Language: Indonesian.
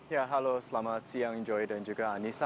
ya halo selamat siang joy dan juga anissa